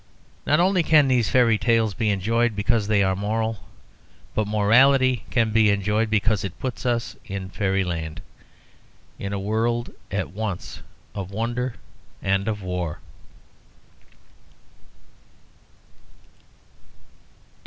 Not only can these fairy tales be enjoyed because they are moral, but morality can be enjoyed because it puts us in fairyland, in a world at once of wonder and of war.